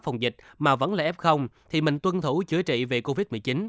phòng dịch mà vẫn là f thì mình tuân thủ chữa trị về covid một mươi chín